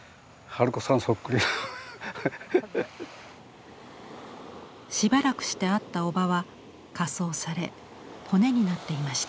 ハハハッ。しばらくして会ったおばは火葬され骨になっていました。